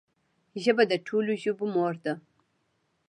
ژبه د ټولو ژبو مور ده